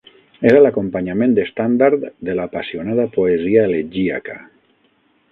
Era l'acompanyament estàndard de l'apassionada poesia elegíaca.